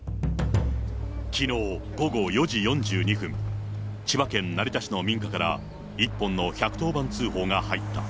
きのう午後４時４２分、千葉県成田市の民家から、一本の１１０番通報が入った。